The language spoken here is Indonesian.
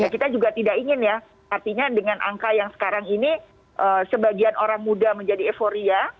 kita juga tidak ingin ya artinya dengan angka yang sekarang ini sebagian orang muda menjadi euforia